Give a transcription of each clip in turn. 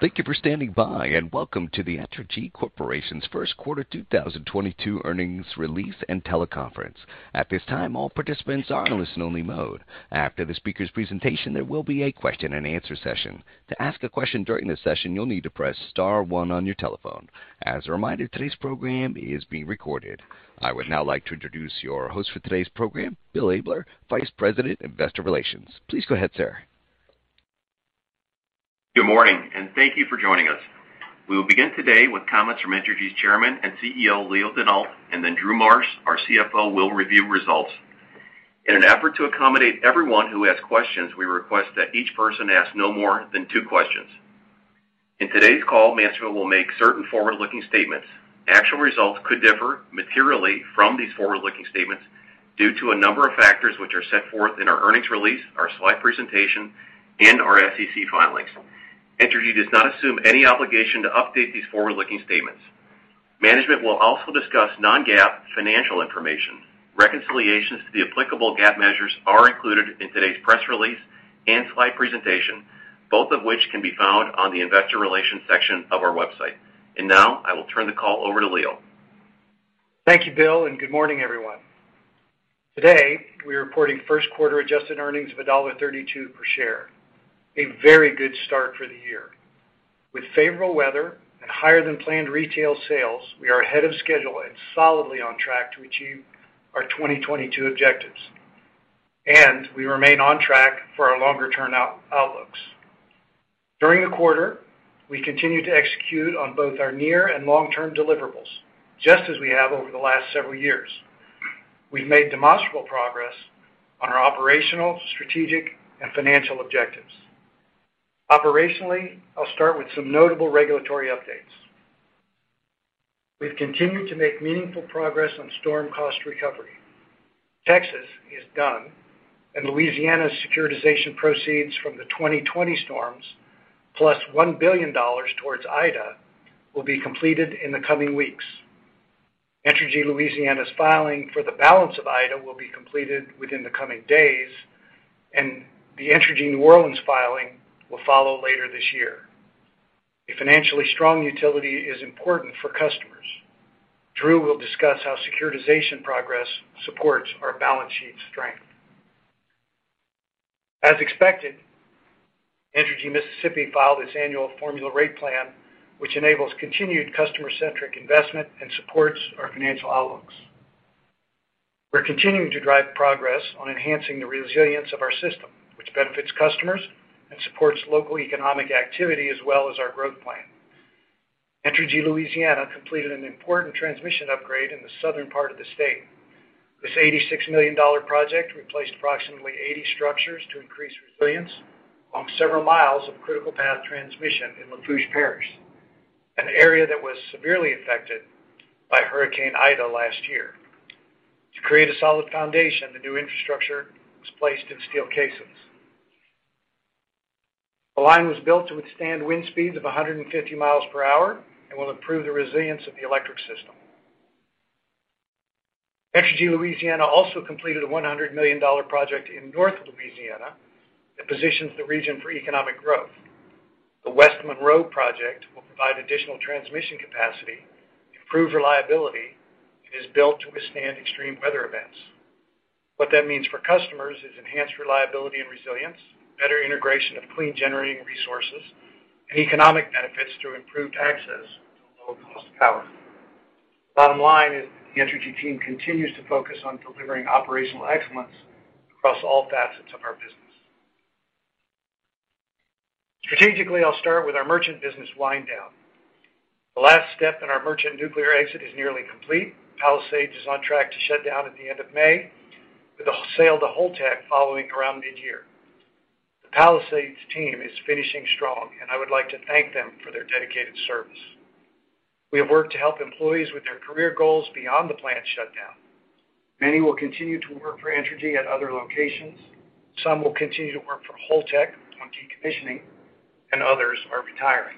Thank you for standing by, and welcome to the Entergy Corporation's First Quarter 2022 Earnings Release and Teleconference. At this time, all participants are in listen-only mode. After the speaker's presentation, there will be a question and answer session. To ask a question during this session, you'll need to press star one on your telephone. As a reminder, today's program is being recorded. I would now like to introduce your host for today's program, Bill Abler, Vice President, Investor Relations. Please go ahead, sir. Good morning, and thank you for joining us. We will begin today with comments from Entergy's Chairman and CEO, Leo Denault, and then Drew Marsh, our CFO, will review results. In an effort to accommodate everyone who has questions, we request that each person ask no more than two questions. In today's call, management will make certain forward-looking statements. Actual results could differ materially from these forward-looking statements due to a number of factors which are set forth in our earnings release, our slide presentation, and our SEC filings. Entergy does not assume any obligation to update these forward-looking statements. Management will also discuss non-GAAP financial information. Reconciliations to the applicable GAAP measures are included in today's press release and slide presentation, both of which can be found on the investor relations section of our website. Now, I will turn the call over to Leo. Thank you, Bill, and good morning, everyone. Today, we're reporting first quarter adjusted earnings of $1.32 per share. A very good start for the year. With favorable weather and higher than planned retail sales, we are ahead of schedule and solidly on track to achieve our 2022 objectives, and we remain on track for our longer-term outlooks. During the quarter, we continued to execute on both our near and long-term deliverables, just as we have over the last several years. We've made demonstrable progress on our operational, strategic, and financial objectives. Operationally, I'll start with some notable regulatory updates. We've continued to make meaningful progress on storm cost recovery. Texas is done, and Louisiana's securitization proceeds from the 2020 storms, plus $1 billion towards Ida, will be completed in the coming weeks. Entergy Louisiana's filing for the balance of Ida will be completed within the coming days, and the Entergy New Orleans filing will follow later this year. A financially strong utility is important for customers. Drew will discuss how securitization progress supports our balance sheet strength. As expected, Entergy Mississippi filed its annual formula rate plan, which enables continued customer-centric investment and supports our financial outlooks. We're continuing to drive progress on enhancing the resilience of our system, which benefits customers and supports local economic activity as well as our growth plan. Entergy Louisiana completed an important transmission upgrade in the southern part of the state. This $86 million project replaced approximately 80 structures to increase resilience along several miles of critical path transmission in Lafourche Parish, an area that was severely affected by Hurricane Ida last year. To create a solid foundation, the new infrastructure was placed in steel casings. The line was built to withstand wind speeds of 150 miles per hour and will improve the resilience of the electric system. Entergy Louisiana also completed a $100 million project in north Louisiana that positions the region for economic growth. The West Monroe project will provide additional transmission capacity, improve reliability, and is built to withstand extreme weather events. What that means for customers is enhanced reliability and resilience, better integration of clean generating resources, and economic benefits through improved access to low cost power. Bottom line is the Entergy team continues to focus on delivering operational excellence across all facets of our business. Strategically, I'll start with our merchant business wind down. The last step in our merchant nuclear exit is nearly complete. Palisades is on track to shut down at the end of May, with the sale to Holtec following around mid-year. The Palisades team is finishing strong, and I would like to thank them for their dedicated service. We have worked to help employees with their career goals beyond the plant shutdown. Many will continue to work for Entergy at other locations. Some will continue to work for Holtec on decommissioning, and others are retiring.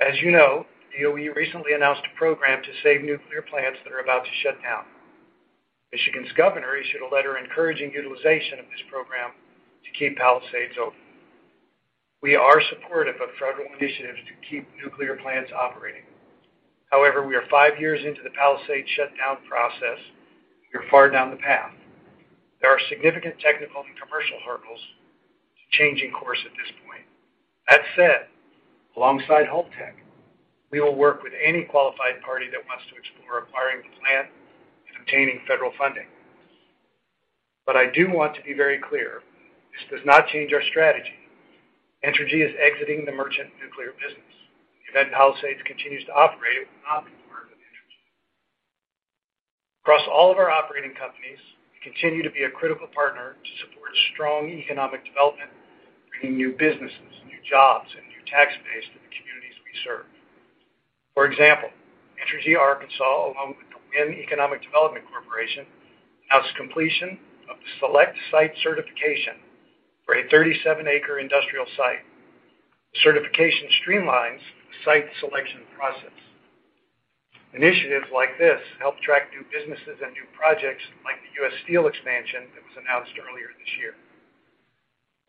As you know, DOE recently announced a program to save nuclear plants that are about to shut down. Michigan's governor issued a letter encouraging utilization of this program to keep Palisades open. We are supportive of federal initiatives to keep nuclear plants operating. However, we are five years into the Palisades shutdown process. We are far down the path. There are significant technical and commercial hurdles to changing course at this point. That said, alongside Holtec, we will work with any qualified party that wants to explore acquiring the plant and obtaining federal funding. I do want to be very clear, this does not change our strategy. Entergy is exiting the merchant nuclear business. If Palisades continues to operate, it will not be part of Entergy. Across all of our operating companies, we continue to be a critical partner to support strong economic development, bringing new businesses, new jobs, and new tax base to the communities we serve. For example, Entergy Arkansas, along with the Wynne Economic Development Corporation, announced completion of the Select Site certification for a 37-acre industrial site. The certification streamlines the site selection process. Initiatives like this help track new businesses and new projects like the U.S. Steel expansion that was announced earlier this year.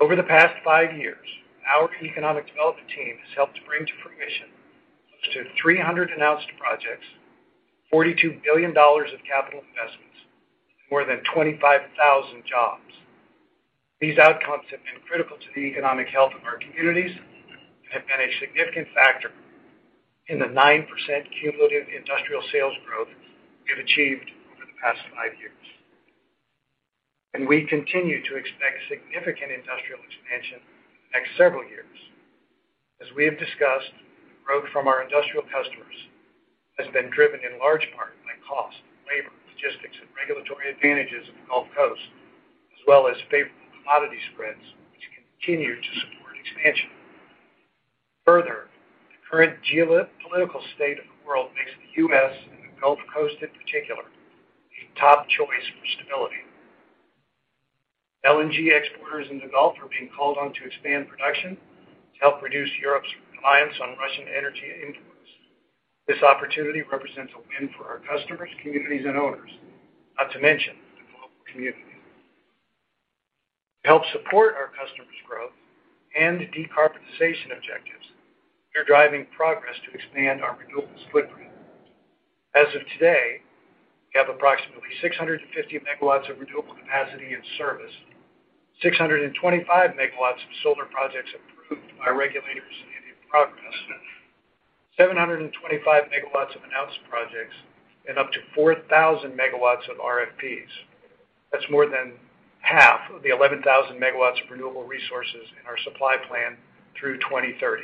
Over the past five years, our economic development team has helped bring to fruition close to 300 announced projects, $42 billion of capital investments, more than 25,000 jobs. These outcomes have been critical to the economic health of our communities and have been a significant factor in the 9% cumulative industrial sales growth we have achieved over the past five years. We continue to expect significant industrial expansion the next several years. As we have discussed, growth from our industrial customers has been driven in large part by cost, labor, logistics, and regulatory advantages of the Gulf Coast, as well as favorable commodity spreads, which continue to support expansion. Further, the current geopolitical state of the world makes the U.S. and the Gulf Coast in particular, a top choice for stability. LNG exporters in the Gulf are being called on to expand production to help reduce Europe's reliance on Russian energy imports. This opportunity represents a win for our customers, communities, and owners, not to mention the global community. To help support our customers' growth and decarbonization objectives, we are driving progress to expand our renewables footprint. As of today, we have approximately 650 MW of renewable capacity in service, 625 MW of solar projects approved by regulators and in progress, 725 MW of announced projects, and up to 4,000 MW of RFPs. That's more than half of the 11,000 MW of renewable resources in our supply plan through 2030.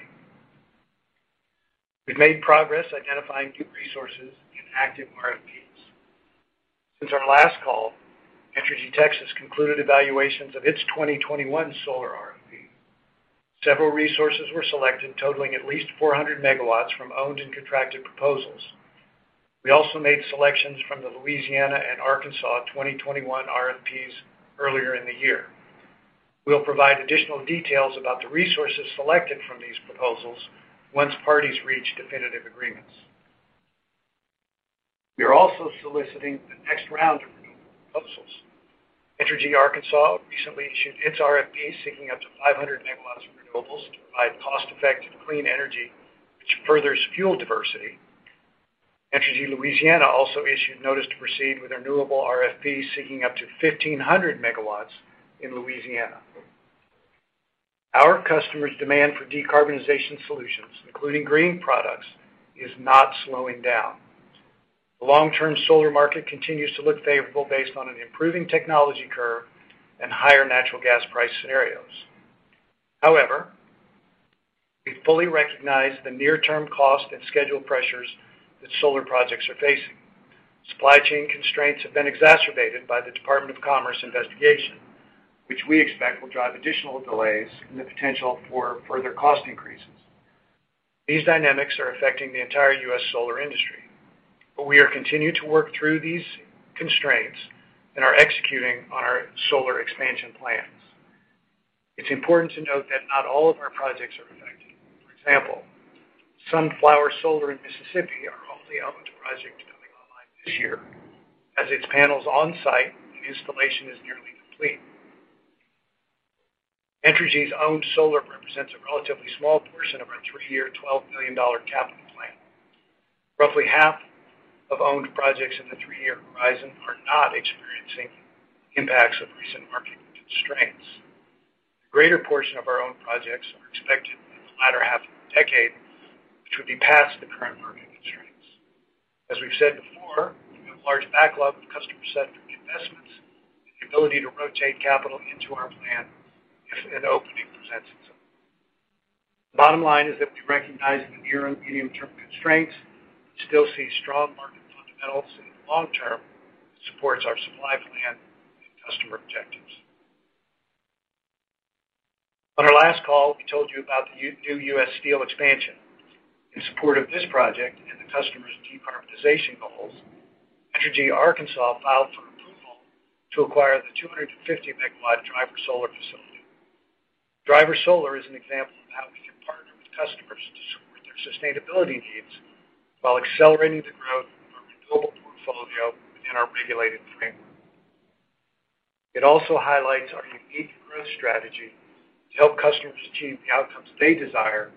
We've made progress identifying new resources in active RFPs. Since our last call, Entergy Texas concluded evaluations of its 2021 solar RFP. Several resources were selected, totaling at least 400 MW from owned and contracted proposals. We also made selections from the Louisiana and Arkansas 2021 RFPs earlier in the year. We'll provide additional details about the resources selected from these proposals once parties reach definitive agreements. We are also soliciting the next round of renewable proposals. Entergy Arkansas recently issued its RFP, seeking up to 500 MW of renewables to provide cost-effective clean energy, which furthers fuel diversity. Entergy Louisiana also issued notice to proceed with a renewable RFP, seeking up to 1,500 MW in Louisiana. Our customers' demand for decarbonization solutions, including green products, is not slowing down. The long-term solar market continues to look favorable based on an improving technology curve and higher natural gas price scenarios. However, we fully recognize the near-term cost and schedule pressures that solar projects are facing. Supply chain constraints have been exacerbated by the U.S. Department of Commerce investigation, which we expect will drive additional delays and the potential for further cost increases. These dynamics are affecting the entire U.S. solar industry. We continue to work through these constraints and are executing on our solar expansion plans. It's important to note that not all of our projects are affected. For example, Sunflower Solar Station in Mississippi is on track to come online this year as its panels are on site and installation is nearly complete. Entergy's owned solar represents a relatively small portion of our three-year, $12 million capital plan. Roughly half of owned projects in the three-year horizon are not experiencing impacts of recent market constraints. The greater portion of our owned projects are expected in the latter half of the decade, which would be past the current market constraints. As we've said before, we have a large backlog of customer-centered investments and the ability to rotate capital into our plan if an opening presents itself. The bottom line is that we recognize the near and medium-term constraints, but still see strong market fundamentals in the long term that supports our supply plan and customer objectives. On our last call, we told you about the new U.S. Steel expansion. In support of this project and the customer's decarbonization goals, Entergy Arkansas filed for approval to acquire the 250 MW Driver Solar facility. Driver Solar is an example of how we can partner with customers to support their sustainability needs while accelerating the growth of our renewable portfolio within our regulated framework. It also highlights our unique growth strategy to help customers achieve the outcomes they desire,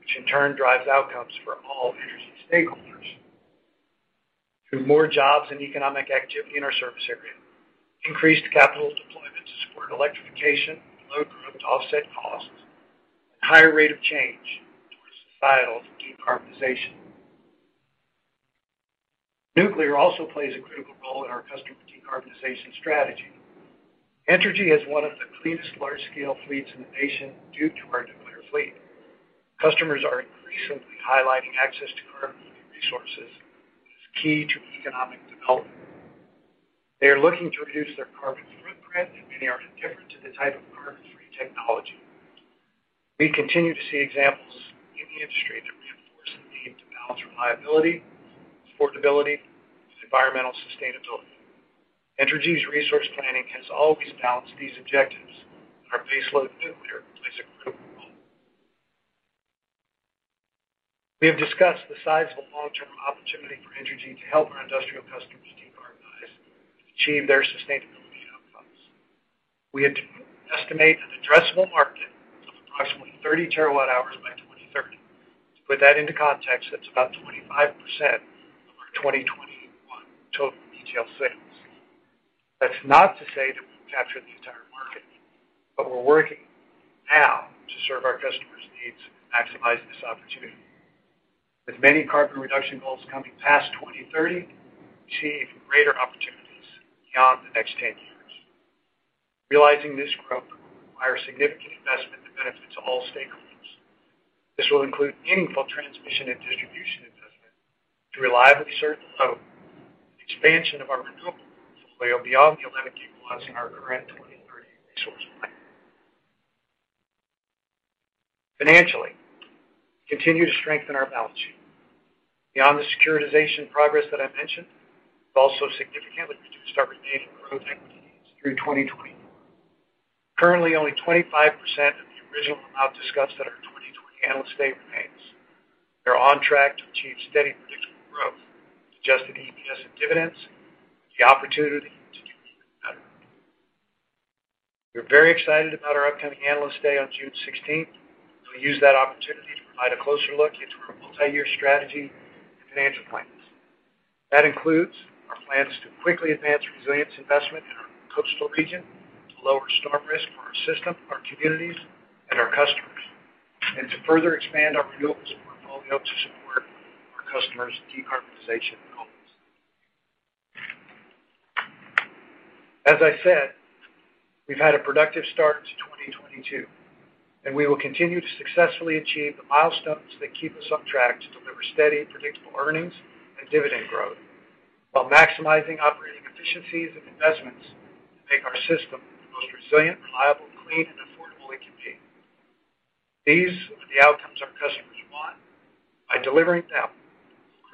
which in turn drives outcomes for all Entergy stakeholders. Through more jobs and economic activity in our service area, increased capital deployment to support electrification and load growth to offset costs, and higher rate of change towards societal decarbonization. Nuclear also plays a critical role in our customer decarbonization strategy. Entergy has one of the cleanest large-scale fleets in the nation due to our nuclear fleet. Customers are increasingly highlighting access to carbon-free resources as key to economic development. They are looking to reduce their carbon footprint, and many are indifferent to the type of carbon-free technology. We continue to see examples in the industry that reinforce the need to balance reliability, affordability, with environmental sustainability. Entergy's resource planning has always balanced these objectives. We have discussed the sizable long-term opportunity for Entergy to help our industrial customers decarbonize to achieve their sustainability outcomes. We had to estimate an addressable market of approximately 30 terawatt-hours by 2030. To put that into context, that's about 25% of our 2021 total retail sales. That's not to say that we've captured the entire market, but we're working now to serve our customers' needs and maximize this opportunity. With many carbon reduction goals coming past 2030, we achieve greater opportunities beyond the next ten years. Realizing this growth requires significant investment that benefits all stakeholders. This will include meaningful transmission and distribution investment to reliably serve load, expansion of our renewable portfolio beyond the 11 gigawatts in our current 2030 resource plan. Financially, we continue to strengthen our balance sheet. Beyond the securitization progress that I mentioned, we've also significantly reduced our retained growth equities through 2020. Currently, only 25% of the original amount discussed at our 2020 Analyst Day remains. We are on track to achieve steady predictable growth, adjusted EPS and dividends with the opportunity to do even better. We're very excited about our upcoming Analyst Day on June 16. We'll use that opportunity to provide a closer look into our multi-year strategy and financial plans. That includes our plans to quickly advance resilience investment in our coastal region to lower storm risk for our system, our communities, and our customers, and to further expand our renewables portfolio to support our customers' decarbonization goals. As I said, we've had a productive start to 2022, and we will continue to successfully achieve the milestones that keep us on track to deliver steady predictable earnings and dividend growth while maximizing operating efficiencies and investments to make our system the most resilient, reliable, clean, and affordable it can be. These are the outcomes our customers want. By delivering them,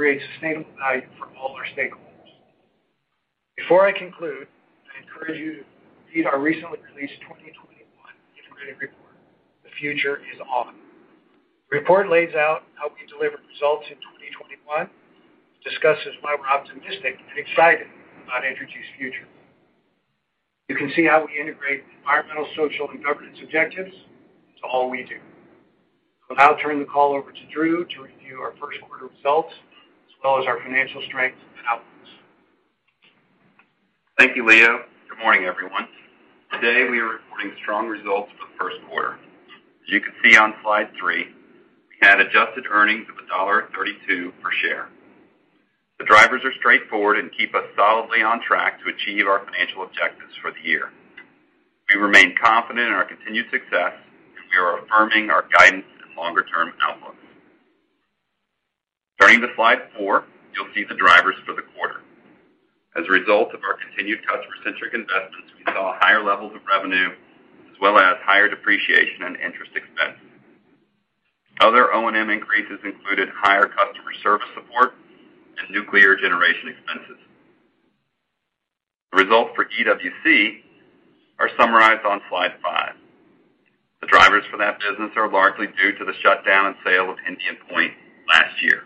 we create sustainable value for all our stakeholders. Before I conclude, I encourage you to read our recently released 2021 Integrated Report, The Future Is On. The report lays out how we delivered results in 2021. It discusses why we're optimistic and excited about Entergy's future. You can see how we integrate environmental, social, and governance objectives to all we do. I'll now turn the call over to Drew to review our first quarter results as well as our financial strengths and outlooks. Thank you, Leo. Good morning, everyone. Today, we are reporting strong results for the first quarter. As you can see on slide 3, we had adjusted earnings of $1.32 per share. The drivers are straightforward and keep us solidly on track to achieve our financial objectives for the year. We remain confident in our continued success, and we are affirming our guidance and longer-term outlooks. Turning to slide 4, you'll see the drivers for the quarter. As a result of our continued customer-centric investments, we saw higher levels of revenue as well as higher depreciation and interest expenses. Other O&M increases included higher customer service support and nuclear generation expenses. The results for EWC are summarized on slide 5. The drivers for that business are largely due to the shutdown and sale of Indian Point last year.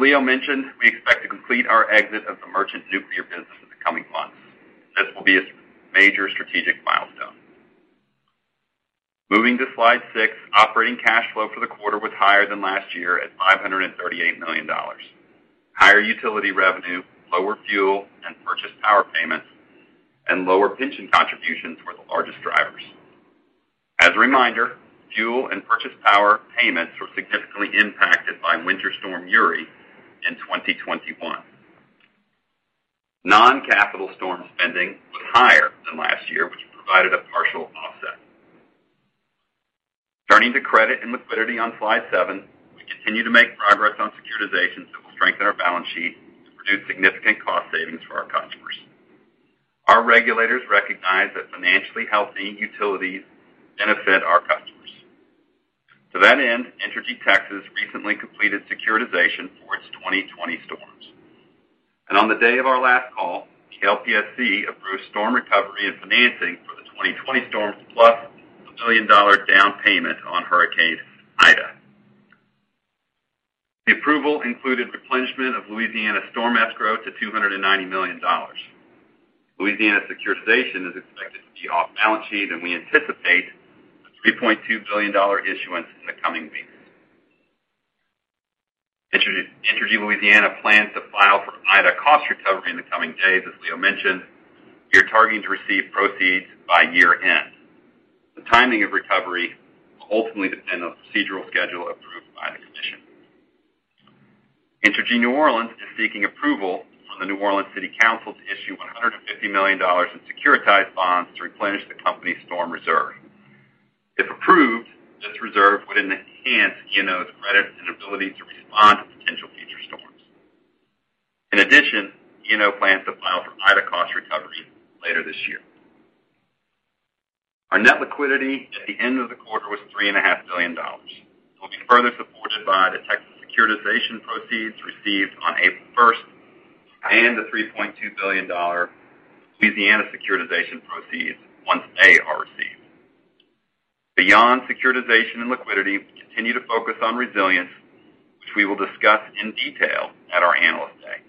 As Leo mentioned, we expect to complete our exit of the merchant nuclear business in the coming months. This will be a major strategic milestone. Moving to slide 6, operating cash flow for the quarter was higher than last year at $538 million. Higher utility revenue, lower fuel and purchase power payments, and lower pension contributions were the largest drivers. As a reminder, fuel and purchase power payments were significantly impacted by Winter Storm Uri in 2021. Non-capital storm spending was higher than last year, which provided a partial offset. Turning to credit and liquidity on slide 7, we continue to make progress on securitizations that will strengthen our balance sheet to produce significant cost savings for our customers. Our regulators recognize that financially healthy utilities benefit our customers. To that end, Entergy Texas recently completed securitization for its 2020 storms. On the day of our last call, the LPSC approved storm recovery and financing for the 2020 storms, plus a billion-dollar down payment on Hurricane Ida. The approval included replenishment of Louisiana storm escrow to $290 million. Louisiana securitization is expected to be off balance sheet, and we anticipate a $3.2 billion issuance in the coming weeks. Entergy Louisiana plans to file for Ida cost recovery in the coming days, as Leo mentioned. We are targeting to receive proceeds by year-end. The timing of recovery will ultimately depend on the procedural schedule approved by the commission. Entergy New Orleans is seeking approval from the New Orleans City Council to issue $150 million in securitized bonds to replenish the company's storm reserve. If approved, this reserve would enhance ENO's credit and ability to respond to potential future storms. In addition, ENO plans to file for Ida cost recovery later this year. Our net liquidity at the end of the quarter was $3.5 billion. It will be further supported by proceeds received on April 1, and the $3.2 billion Louisiana securitization proceeds once they are received. Beyond securitization and liquidity, we continue to focus on resilience, which we will discuss in detail at our Analyst Day.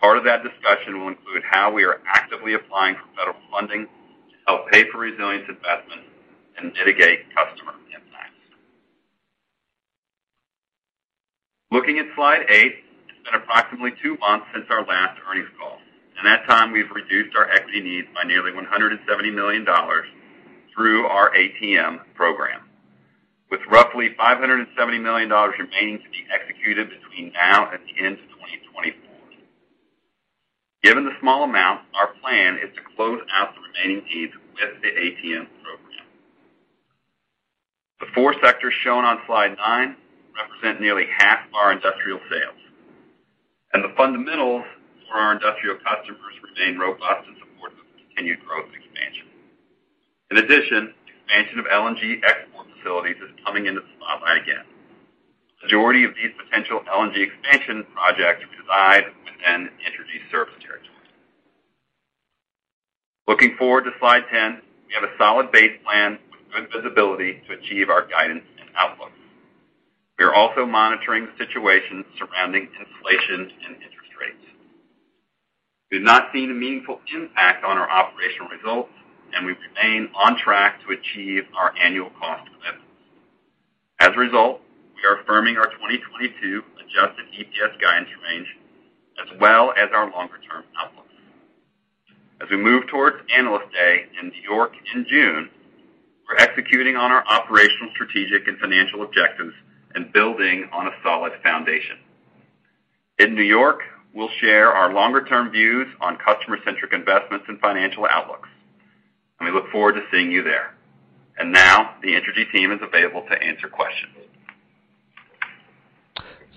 Part of that discussion will include how we are actively applying for federal funding to help pay for resilience investments and mitigate customer impacts. Looking at slide eight, it's been approximately two months since our last earnings call. In that time, we've reduced our equity needs by nearly $170 million through our ATM program, with roughly $570 million remaining to be executed between now and the end of 2024. Given the small amount, our plan is to close out the remaining needs with the ATM program. The four sectors shown on slide 9 represent nearly half our industrial sales, and the fundamentals for our industrial customers remain robust and support the continued growth expansion. In addition, expansion of LNG export facilities is coming into spotlight again. Majority of these potential LNG expansion projects reside within Entergy service territories. Looking forward to slide 10, we have a solid base plan with good visibility to achieve our guidance and outlooks. We are also monitoring the situation surrounding inflation and interest rates. We've not seen a meaningful impact on our operational results, and we remain on track to achieve our annual cost limits. As a result, we are affirming our 2022 adjusted EPS guidance range, as well as our longer term outlooks. As we move towards Analyst Day in New York in June, we're executing on our operational, strategic, and financial objectives and building on a solid foundation. In New York, we'll share our longer term views on customer-centric investments and financial outlooks, and we look forward to seeing you there. Now the Entergy team is available to answer questions.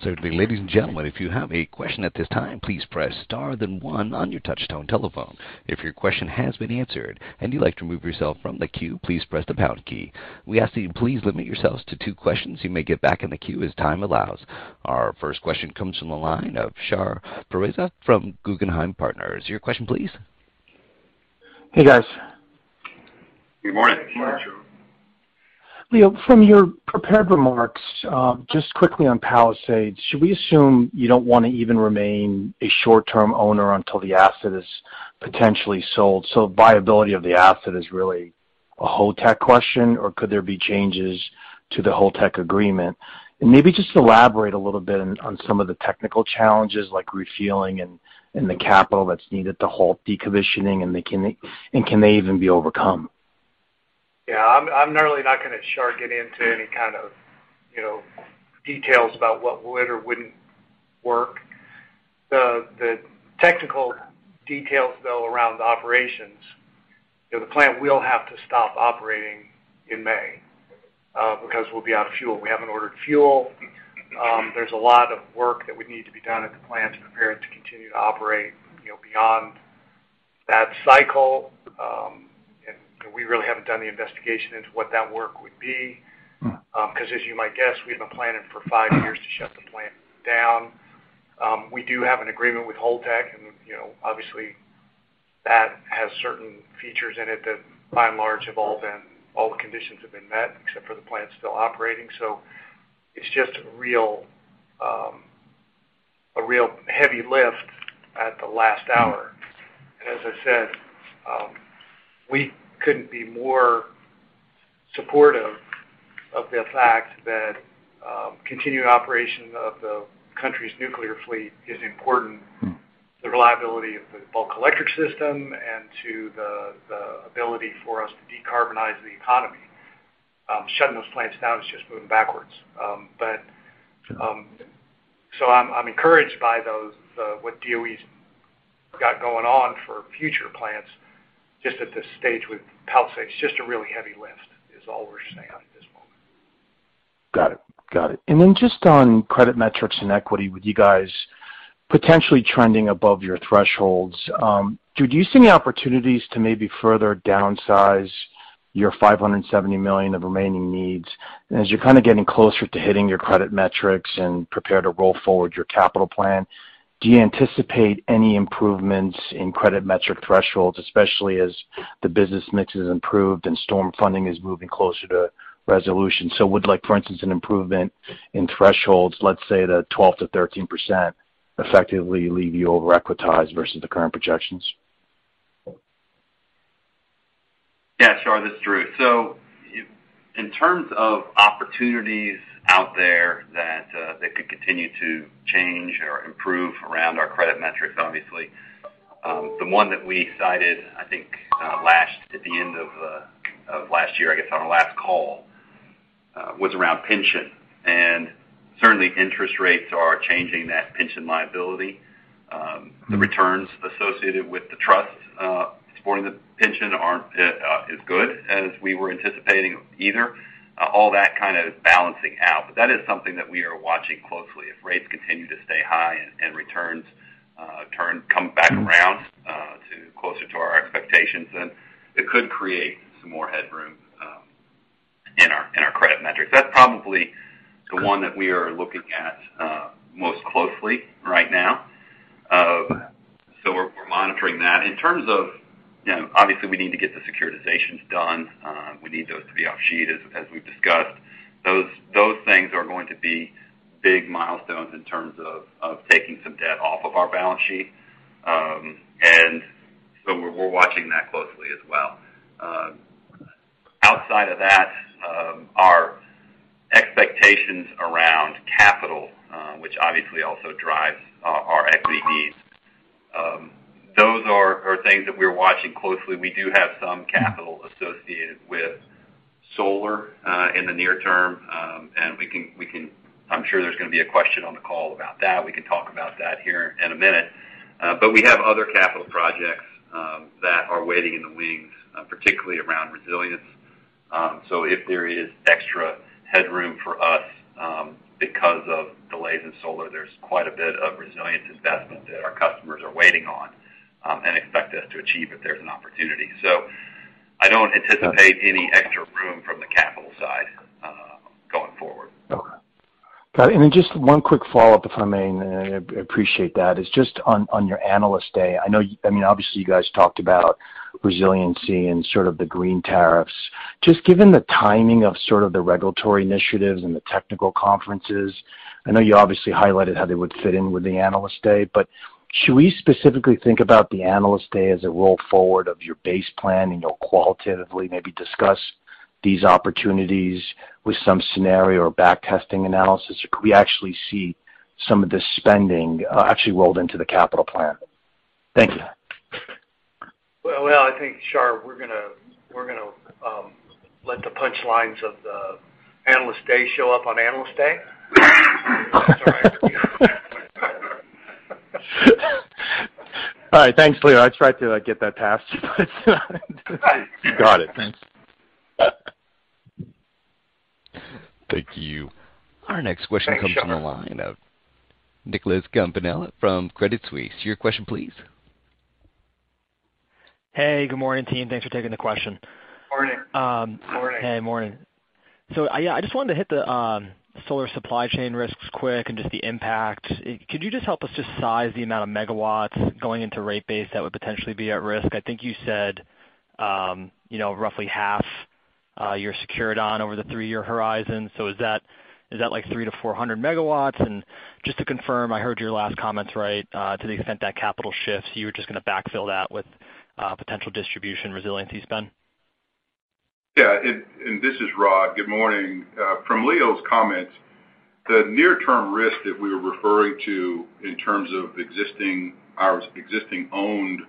Certainly. Ladies and gentlemen, if you have a question at this time, please press star then one on your touchtone telephone. If your question has been answered and you'd like to remove yourself from the queue, please press the pound key. We ask that you please limit yourselves to two questions. You may get back in the queue as time allows. Our first question comes from the line of Shar Pourreza from Guggenheim Partners. Your question, please. Hey, guys. Good morning. Leo, from your prepared remarks, just quickly on Palisades, should we assume you don't want to even remain a short-term owner until the asset is potentially sold? Viability of the asset is really a Holtec question, or could there be changes to the Holtec agreement? Maybe just elaborate a little bit on some of the technical challenges like refueling and the capital that's needed to halt decommissioning and can they even be overcome? Yeah, I'm normally not gonna dive into any kind of, you know, details about what would or wouldn't work. The technical details, though, around operations. You know, the plant will have to stop operating in May, because we'll be out of fuel. We haven't ordered fuel. There's a lot of work that would need to be done at the plant to prepare it to continue to operate, you know, beyond that cycle. We really haven't done the investigation into what that work would be, because as you might guess, we've been planning for five years to shut the plant down. We do have an agreement with Holtec and, you know, obviously that has certain features in it that by and large all the conditions have been met except for the plant's still operating. It's just a real heavy lift at the last hour. As I said, we couldn't be more supportive of the fact that continuing operation of the country's nuclear fleet is important to the reliability of the bulk electric system and to the ability for us to decarbonize the economy. Shutting those plants down is just moving backwards. I'm encouraged by what DOE's got going on for future plants. Just at this stage with Palisades, it's just a really heavy lift, is all we're saying at this moment. Got it. Just on credit metrics and equity, with you guys potentially trending above your thresholds, do you see any opportunities to maybe further downsize your $570 million of remaining needs? As you're kind of getting closer to hitting your credit metrics and prepare to roll forward your capital plan, do you anticipate any improvements in credit metric thresholds, especially as the business mix has improved and storm funding is moving closer to resolution? Would, like, for instance, an improvement in thresholds, let's say the 12%-13% effectively leave you over-equitized versus the current projections? Yeah, Shar, this is Drew. In terms of opportunities out there that could continue to change or improve around our credit metrics, obviously, the one that we cited, I think, last at the end of last year, I guess on our last call, was around pension. Certainly interest rates are changing that pension liability. The returns associated with the trust supporting the pension aren't as good as we were anticipating either. All that kind of balancing out. That is something that we are watching closely. If rates continue to stay high, it could create some more headroom in our credit metrics. That's probably the one that we are looking at most closely right now. We're monitoring that. In terms of, you know, obviously, we need to get the securitizations done. We need those to be off sheet as we've discussed. Those things are going to be big milestones in terms of taking some debt off of our balance sheet. We're watching that closely as well. Outside of that, our expectations around capital, which obviously also drives our equity needs, those are things that we're watching closely. We do have some capital associated with solar in the near term, and we can. I'm sure there's gonna be a question on the call about that. We can talk about that here in a minute. We have other capital projects that are waiting in the wings, particularly around resilience. If there is extra headroom for us, because of delays in solar, there's quite a bit of resilience investment that our customers are waiting on, and expect us to achieve if there's an opportunity. I don't anticipate any extra room from the capital side, going forward. Okay. Got it. Then just one quick follow-up, if I may, and I appreciate that. It's just on your Analyst Day. I know, I mean, obviously, you guys talked about resiliency and sort of the green tariffs. Just given the timing of sort of the regulatory initiatives and the technical conferences, I know you obviously highlighted how they would fit in with the Analyst Day, but should we specifically think about the Analyst Day as a roll forward of your base plan, and you'll qualitatively maybe discuss these opportunities with some scenario or back-testing analysis? Could we actually see some of the spending, actually rolled into the capital plan? Thank you. Well, I think, Shar, we're gonna let the punchlines of the Analyst Day show up on Analyst Day. All right. Thanks, Leo. I tried to, like, get that past you, but You got it. Thanks. Thank you. Our next question comes from the line of Nicholas Campanella from Credit Suisse. Your question please. Hey, good morning, team. Thanks for taking the question. Morning. Morning. Hey. Morning. I just wanted to hit the solar supply chain risks quick and just the impact. Could you just help us just size the amount of megawatts going into rate base that would potentially be at risk? I think you said, you know, roughly half, you're secured on over the three-year horizon. Is that, like, 300-400 megawatts? And just to confirm, I heard your last comments right, to the extent that capital shifts, you were just gonna backfill that with potential distribution resiliency spend. Yeah. This is Rod. Good morning. From Leo's comments, the near-term risk that we were referring to in terms of our existing owned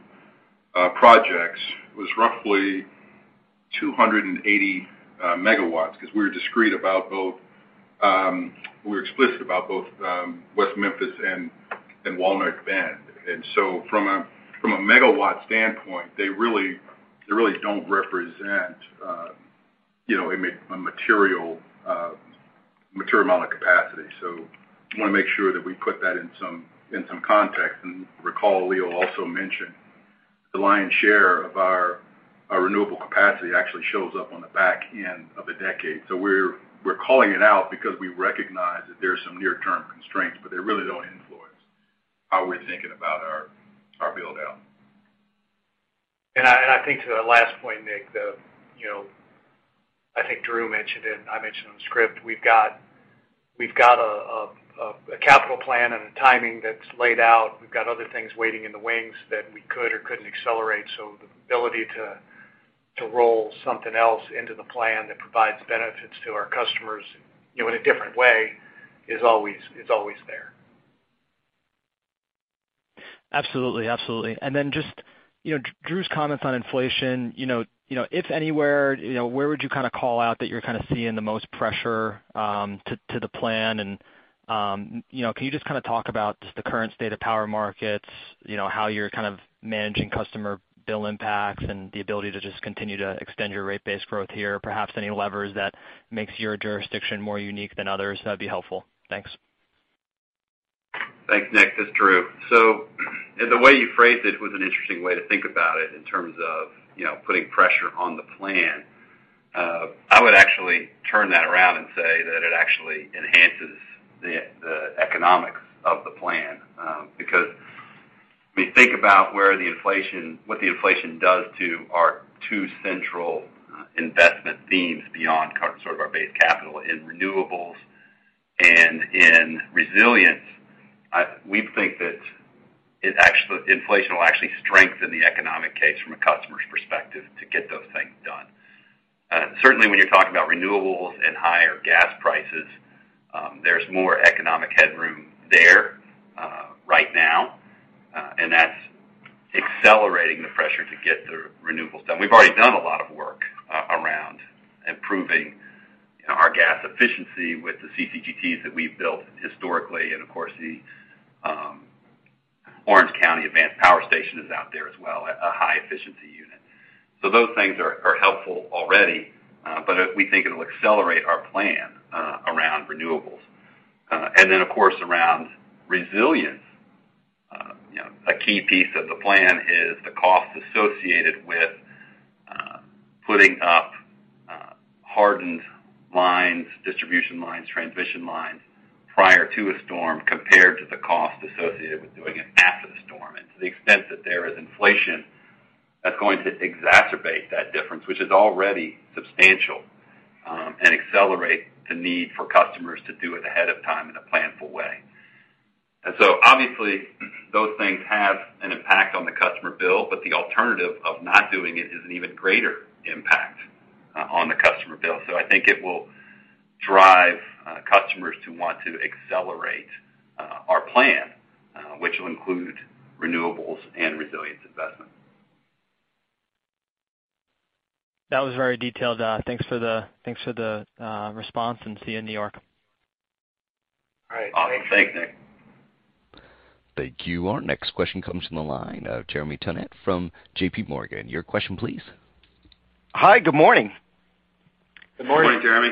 projects was roughly 280 megawatts, 'cause we were explicit about both West Memphis and Walnut Bend. From a megawatt standpoint, they really don't represent, you know, a material amount of capacity. Wanna make sure that we put that in some context. Recall Leo also mentioned the lion's share of our renewable capacity actually shows up on the back end of the decade. We're calling it out because we recognize that there are some near-term constraints, but they really don't influence how we're thinking about our build-out. I think to the last point, Nick, you know, I think Drew mentioned it and I mentioned it on script. We've got a capital plan and a timing that's laid out. We've got other things waiting in the wings that we could or couldn't accelerate. The ability to roll something else into the plan that provides benefits to our customers, you know, in a different way is always there. Absolutely. Just, you know, Drew's comments on inflation, you know, if anywhere, you know, where would you kinda call out that you're kinda seeing the most pressure to the plan? You know, can you just kinda talk about just the current state of power markets, you know, how you're kind of managing customer bill impacts and the ability to just continue to extend your rate base growth here? Perhaps any levers that makes your jurisdiction more unique than others, that'd be helpful. Thanks. Thanks, Nick. This is Drew. The way you phrased it was an interesting way to think about it in terms of, you know, putting pressure on the plan. I would actually turn that around and say that it actually enhances the the economics of the plan. Because when you think about what the inflation does to our two central investment themes beyond sort of our base capital in renewables and in resilience, we think that inflation will actually strengthen the economic case from a customer's perspective to get those things done. Certainly when you're talking about renewables and higher gas prices, there's more economic headroom there, right now. And that's accelerating the pressure to get the renewables done. We've already done a lot of work around improving our gas efficiency with the CCGTs that we've built historically. Of course, the Orange County Advanced Power Station is out there as well, a high efficiency unit. Those things are helpful already, but we think it'll accelerate our plan. Of course, around resilience, you know, a key piece of the plan is the cost associated with putting up hardened lines, distribution lines, transmission lines prior to a storm compared to the cost associated with doing it after the storm. To the extent that there is inflation, that's going to exacerbate that difference, which is already substantial, and accelerate the need for customers to do it ahead of time in a planful way. Obviously those things have an impact on the customer bill, but the alternative of not doing it is an even greater impact on the customer bill. I think it will drive customers to want to accelerate our plan, which will include renewables and resilience investment. That was very detailed. Thanks for the response, and see you in New York. All right. Thanks, Nick. Thank you. Our next question comes from the line of Jeremy Tonet from JPMorgan. Your question, please. Hi. Good morning. Good morning. Good morning, Jeremy.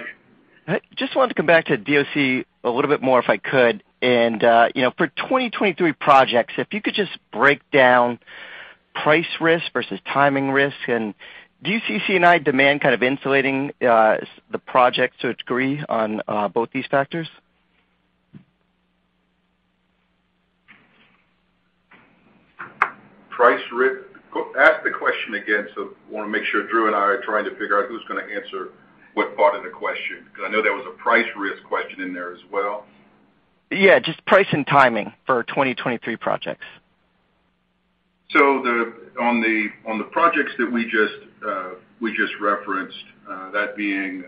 I just wanted to come back to DOC a little bit more, if I could. You know, for 2023 projects, if you could just break down price risk versus timing risk. Do you see C&I demand kind of insulating the project to a degree on both these factors? Ask the question again. Wanna make sure Drew and I are trying to figure out who's gonna answer what part of the question, because I know there was a price risk question in there as well. Yeah, just price and timing for 2023 projects. On the projects that we just referenced, that being,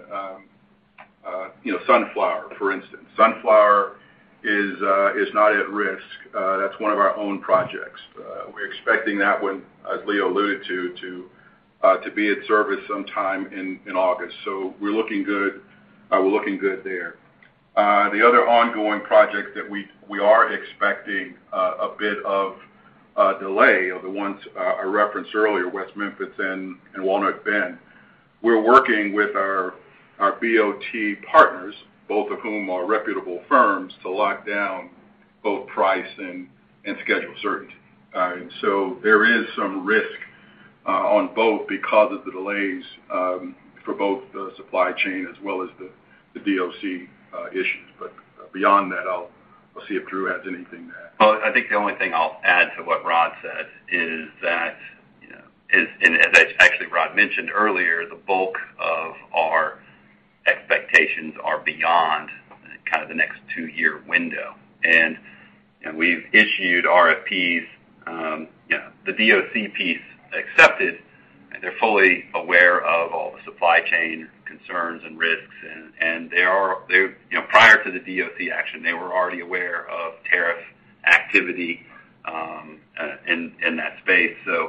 you know, Sunflower, for instance. Sunflower is not at risk. That's one of our own projects. We're expecting that one, as Leo alluded to be at service sometime in August. We're looking good. We're looking good there. The other ongoing projects that we are expecting a bit of a delay are the ones I referenced earlier, West Memphis and Walnut Bend. We're working with our BTA partners, both of whom are reputable firms, to lock down both price and schedule certainty. There is some risk on both because of the delays for both the supply chain as well as the DOC issues. Beyond that, I'll see if Drew adds anything there. Well, I think the only thing I'll add to what Rod said is that, you know, as actually Rod mentioned earlier, the bulk of our expectations are beyond kind of the next two-year window. You know, we've issued RFPs, the DOC piece accepted, they're fully aware of all the supply chain concerns and risks. They are. They're. You know, prior to the DOC action, they were already aware of tariff activity in that space. You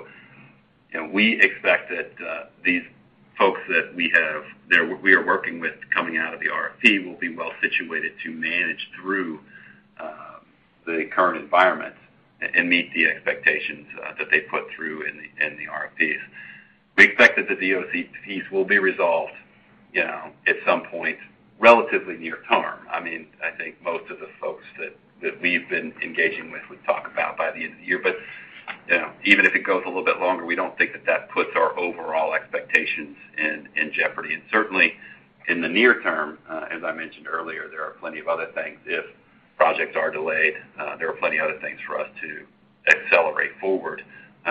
know, we expect that these folks that we have there, we are working with coming out of the RFP will be well situated to manage through the current environment and meet the expectations that they put through in the RFPs. We expect that the DOC piece will be resolved, you know, at some point relatively near term. I mean, I think most of the folks that we've been engaging with would talk about by the end of the year. You know, even if it goes a little bit longer, we don't think that puts our overall expectations in jeopardy. Certainly in the near term, as I mentioned earlier, there are plenty of other things. If projects are delayed, there are plenty of other things for us to accelerate forward,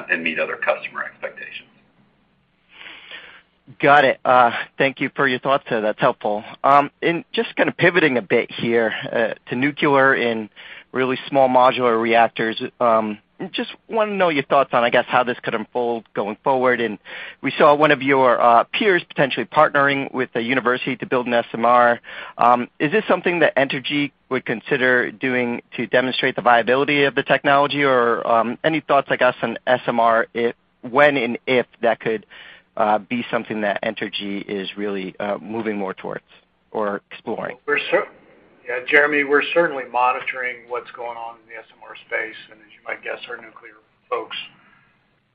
and meet other customer expectations. Got it. Thank you for your thoughts there. That's helpful. Just kind of pivoting a bit here to nuclear and really small modular reactors. Just wanna know your thoughts on, I guess, how this could unfold going forward. We saw one of your peers potentially partnering with a university to build an SMR. Is this something that Entergy would consider doing to demonstrate the viability of the technology? Any thoughts, I guess, on SMR, when and if that could be something that Entergy is really moving more towards or exploring? Yeah, Jeremy, we're certainly monitoring what's going on in the SMR space. As you might guess, our nuclear folks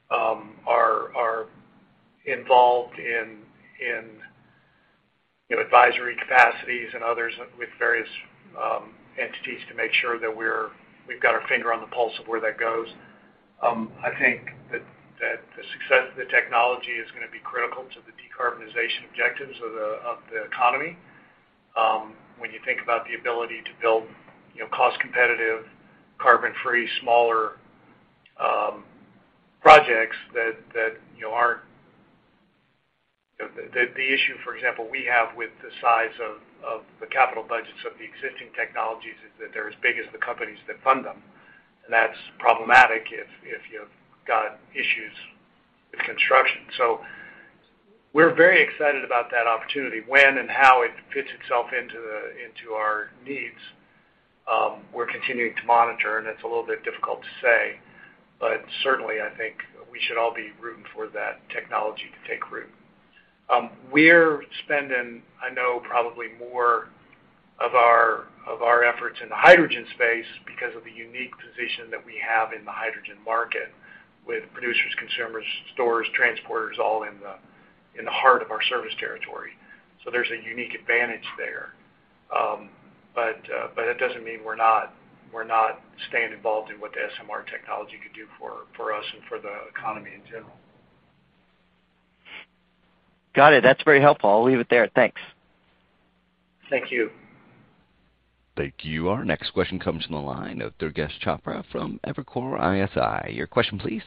are involved in you know advisory capacities and others with various entities to make sure that we've got our finger on the pulse of where that goes. I think that the success of the technology is gonna be critical to the decarbonization objectives of the economy. When you think about the ability to build you know cost competitive carbon-free smaller projects that you know aren't. The issue for example we have with the size of the capital budgets of the existing technologies is that they're as big as the companies that fund them. That's problematic if you've got issues with construction. We're very excited about that opportunity. When and how it fits itself into our needs, we're continuing to monitor, and it's a little bit difficult to say. Certainly I think we should all be rooting for that technology to take root. We're spending, I know probably more of our efforts in the hydrogen space because of the unique position that we have in the hydrogen market with producers, consumers, stores, transporters, all in the In the heart of our service territory. There's a unique advantage there. It doesn't mean we're not staying involved in what the SMR technology could do for us and for the economy in general. Got it. That's very helpful. I'll leave it there. Thanks. Thank you. Thank you. Our next question comes from the line of Durgesh Chopra from Evercore ISI. Your question, please.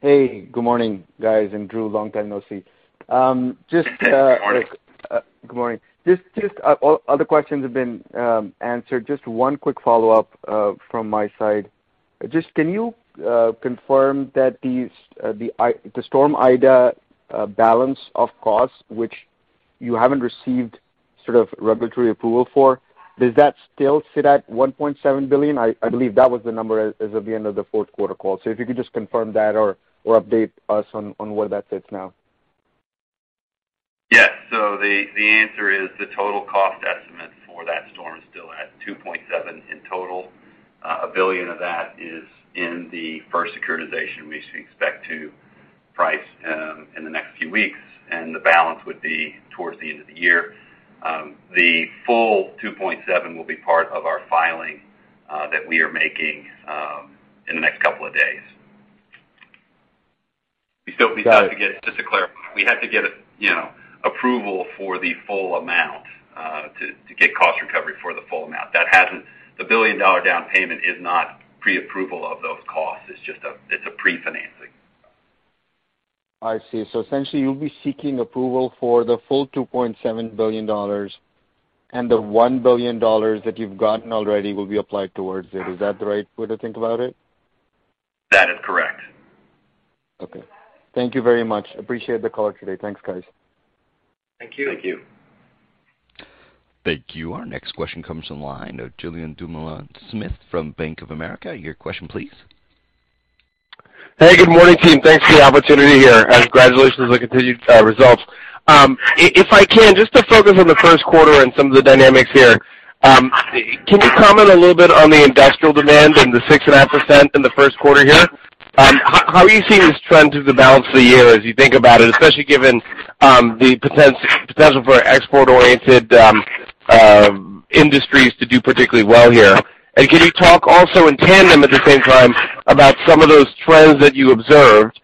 Hey, good morning, guys. Drew, long time no see. Good morning. Good morning. Just all other questions have been answered. Just one quick follow-up from my side. Just can you confirm that the Hurricane Ida balance of costs, which you haven't received sort of regulatory approval for, does that still sit at $1.7 billion? I believe that was the number as of the end of the fourth quarter call. If you could just confirm that or update us on where that sits now. Yes. The answer is the total cost estimate for that storm is still at $2.7 billion in total. $1 billion of that is in the first securitization, which we expect to price in the next few weeks, and the balance would be towards the end of the year. The full $2.7 billion will be part of our filing that we are making in the next couple of days. We still. Got it. Just to clarify, we have to get, you know, approval for the full amount to get cost recovery for the full amount. The billion-dollar down payment is not preapproval of those costs. It's just a pre-financing. I see. Essentially, you'll be seeking approval for the full $2.7 billion, and the $1 billion that you've gotten already will be applied towards it. Is that the right way to think about it? That is correct. Okay. Thank you very much. Appreciate the call today. Thanks, guys. Thank you. Thank you. Our next question comes from the line of Julien Dumoulin-Smith from Bank of America. Your question, please. Hey, good morning, team. Thanks for the opportunity here, and congratulations on the continued results. If I can, just to focus on the first quarter and some of the dynamics here. Can you comment a little bit on the industrial demand and the 6.5% in the first quarter here? How are you seeing this trend through the balance of the year as you think about it, especially given the potential for export-oriented industries to do particularly well here? Can you talk also in tandem at the same time about some of those trends that you observed,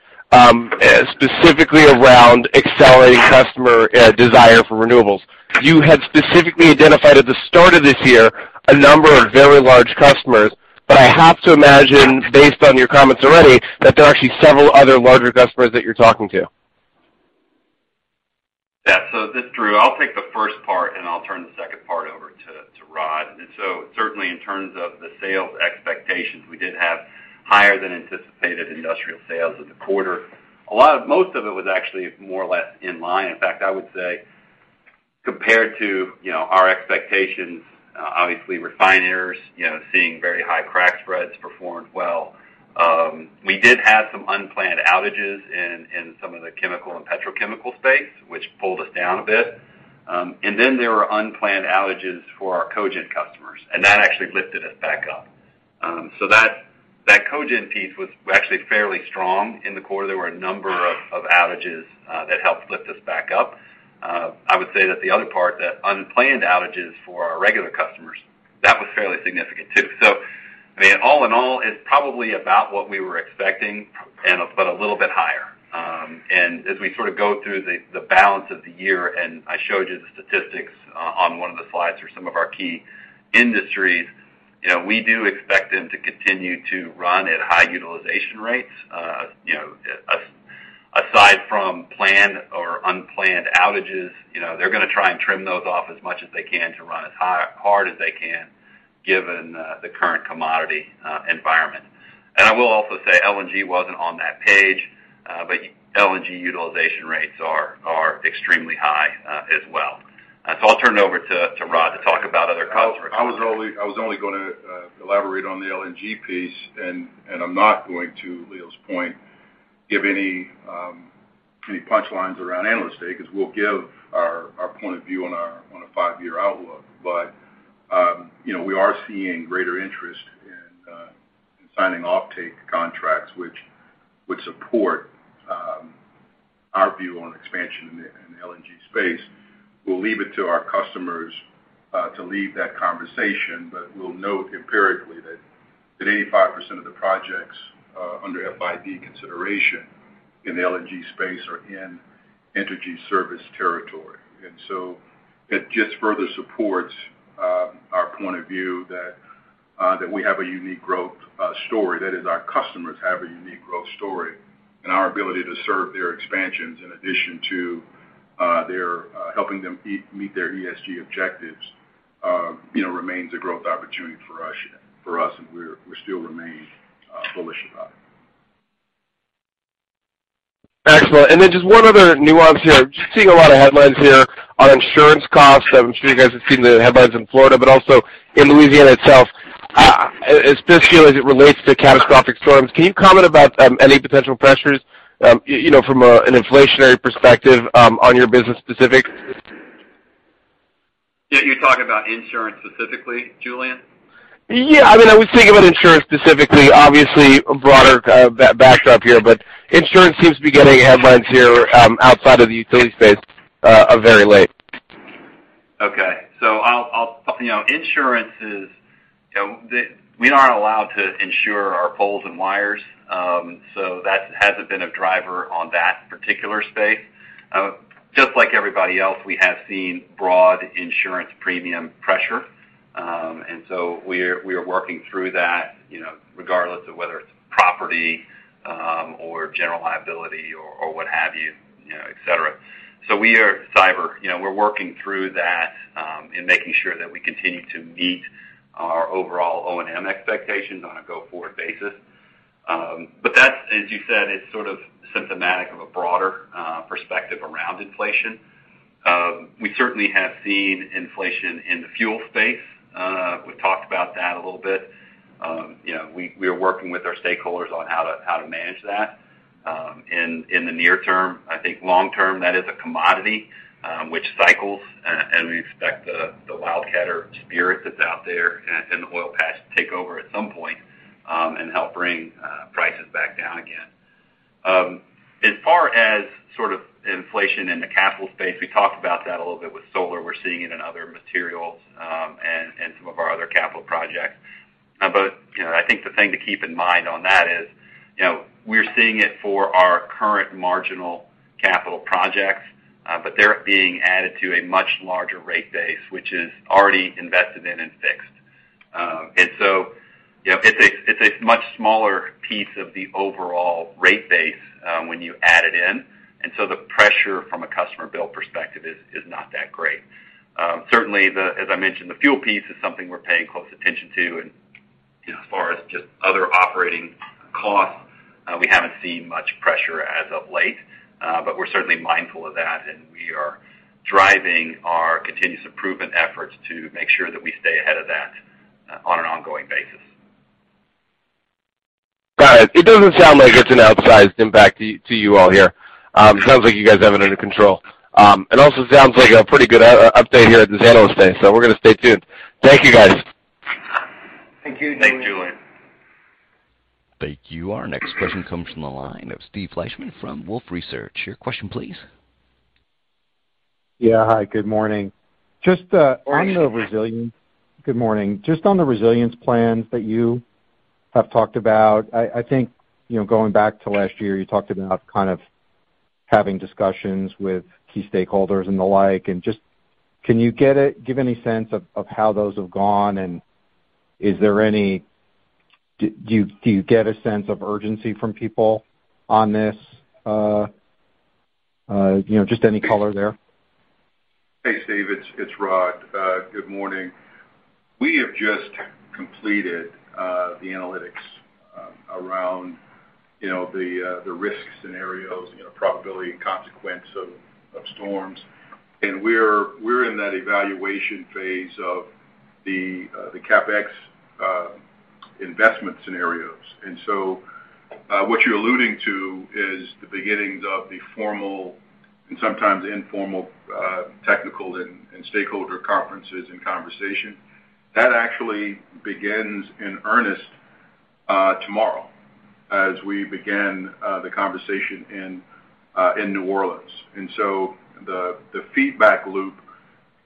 specifically around accelerating customer desire for renewables? You had specifically identified at the start of this year a number of very large customers. I have to imagine, based on your comments already, that there are actually several other larger customers that you're talking to. Yeah. This is Drew. I'll take the first part, and I'll turn the second part over to Rod. Certainly in terms of the sales expectations, we did have higher than anticipated industrial sales in the quarter. Most of it was actually more or less in line. In fact, I would say compared to, you know, our expectations, obviously refiners, you know, seeing very high crack spreads performed well. We did have some unplanned outages in some of the chemical and petrochemical space, which pulled us down a bit. And then there were unplanned outages for our cogen customers, and that actually lifted us back up. So that cogen piece was actually fairly strong in the quarter. There were a number of outages that helped lift us back up. I would say that the other part, the unplanned outages for our regular customers, that was fairly significant too. I mean, all in all, it's probably about what we were expecting but a little bit higher. As we sort of go through the balance of the year, and I showed you the statistics on one of the slides for some of our key industries, you know, we do expect them to continue to run at high utilization rates. You know, aside from planned or unplanned outages, you know, they're gonna try and trim those off as much as they can to run as hard as they can, given the current commodity environment. I will also say LNG wasn't on that page, but LNG utilization rates are extremely high as well. I'll turn it over to Rod to talk about other customers. I was only gonna elaborate on the LNG piece, and I'm not going to Leo's point give any punchlines around Analyst Day because we'll give our point of view on our five-year outlook. You know, we are seeing greater interest in signing offtake contracts which would support our view on expansion in the LNG space. We'll leave it to our customers to lead that conversation. We'll note empirically that 85% of the projects under FID consideration in the LNG space are in Entergy service territory. That just further supports our point of view that we have a unique growth story. That is, our customers have a unique growth story. Our ability to serve their expansions in addition to helping them meet their ESG objectives, you know, remains a growth opportunity for us, you know, for us, and we still remain bullish about it. Excellent. Just one other nuance here. Just seeing a lot of headlines here on insurance costs. I'm sure you guys have seen the headlines in Florida, but also in Louisiana itself. Especially as it relates to catastrophic storms, can you comment about any potential pressures, you know, from an inflationary perspective on your business specifics? You're talking about insurance specifically, Julien? Yeah. I mean, I was thinking about insurance specifically. Obviously, a broader background here, but insurance seems to be getting headlines here outside of the utility space very late. I'll, you know, insurance is, you know, we aren't allowed to insure our poles and wires. That hasn't been a driver on that particular space. Just like everybody else, we have seen broad insurance premium pressure. We're working through that, you know, regardless of whether it's property or general liability or what have you know, et cetera, cyber. You know, we're working through that and making sure that we continue to meet our overall O&M expectations on a go-forward basis. That's, as you said, it's sort of symptomatic of a broader perspective around inflation. We certainly have seen inflation in the fuel space. We've talked about that a little bit. You know, we are working with our stakeholders on how to manage that in the near term. I think long term, that is a commodity which cycles, and we expect the wildcatter spirit that's out there in the oil patch to take over at some point and help bring prices back down again. As far as sort of inflation in the capital space, we talked about that a little bit with solar. We're seeing it in other materials and some of our other capital projects. You know, I think the thing to keep in mind on that is, you know, we're seeing it for our current marginal capital projects, but they're being added to a much larger rate base, which is already invested in and fixed. You know, it's a much smaller piece of the overall rate base, when you add it in, and so the pressure from a customer bill perspective is not that great. Certainly, as I mentioned, the fuel piece is something we're paying close attention to. You know, as far as just other operating costs, we haven't seen much pressure as of late, but we're certainly mindful of that, and we are driving our continuous improvement efforts to make sure that we stay ahead of that, on an ongoing basis. All right. It doesn't sound like it's an outsized impact to you all here. Sounds like you guys have it under control. It also sounds like a pretty good update here at the Analyst Day, so we're gonna stay tuned. Thank you, guys. Thank you. Thanks, Julien. Thank you. Our next question comes from the line of Steve Fleishman from Wolfe Research. Your question, please. Yeah. Hi, good morning. Just on the resilience. Hi, Steve. Good morning. Just on the resilience plans that you have talked about. I think, you know, going back to last year, you talked about kind of having discussions with key stakeholders and the like, and just can you give any sense of how those have gone, and is there any? Do you get a sense of urgency from people on this, you know, just any color there? Hey, Steve. It's Rod. Good morning. We have just completed the analytics around, you know, the risk scenarios, you know, probability and consequence of storms. We're in that evaluation phase of the CapEx investment scenarios. What you're alluding to is the beginnings of the formal and sometimes informal technical and stakeholder conferences and conversation. That actually begins in earnest tomorrow as we begin the conversation in New Orleans. The feedback loop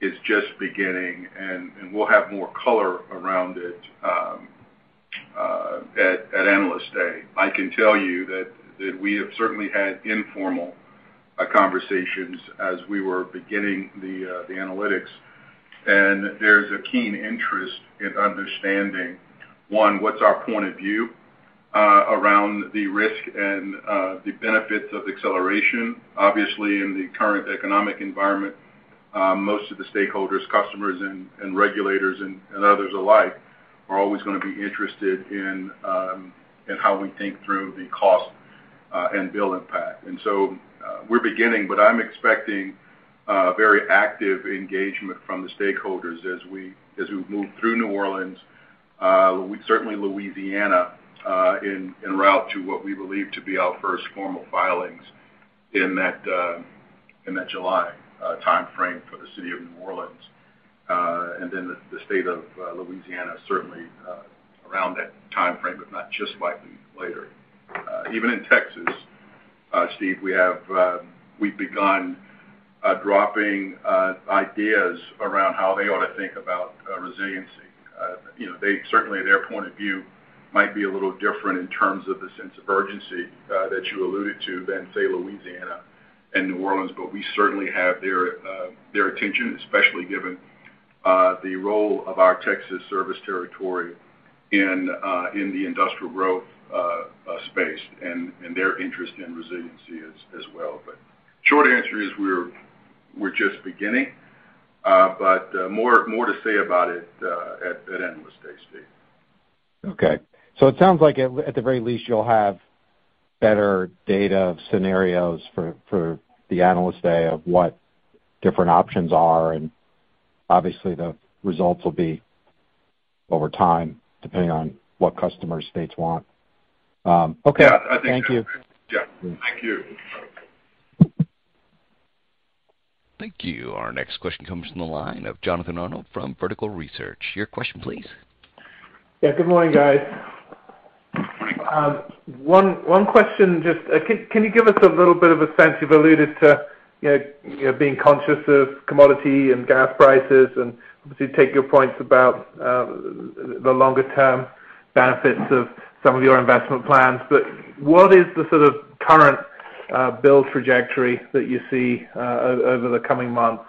is just beginning, and we'll have more color around it at Analyst Day. I can tell you that we have certainly had informal conversations as we were beginning the analytics. There's a keen interest in understanding, one, what's our point of view around the risk and the benefits of acceleration. Obviously, in the current economic environment, most of the stakeholders, customers and regulators and others alike are always gonna be interested in how we think through the cost and bill impact. We're beginning, but I'm expecting very active engagement from the stakeholders as we move through New Orleans, certainly Louisiana, en route to what we believe to be our first formal filings in that July timeframe for the city of New Orleans. Then the state of Louisiana certainly around that timeframe, but not just likely later. Even in Texas, Steve, we've begun dropping ideas around how they ought to think about resiliency. You know, they certainly, their point of view might be a little different in terms of the sense of urgency that you alluded to than, say, Louisiana and New Orleans, but we certainly have their attention, especially given the role of our Texas service territory in the industrial growth space and their interest in resiliency as well. Short answer is we're just beginning, but more to say about it at Analyst Day, Steve. It sounds like at the very least you'll have better data scenarios for the Analyst Day of what different options are, and obviously the results will be Over time, depending on what customer states want. Okay. Yeah, I think so. Thank you. Yeah. Thank you. Thank you. Our next question comes from the line of Jonathan Arnold from Vertical Research Partners. Your question please. Yeah, good morning, guys. One question just, can you give us a little bit of a sense you've alluded to, you know, being conscious of commodity and gas prices and obviously take your points about, the longer term benefits of some of your investment plans. What is the sort of current bill trajectory that you see over the coming months?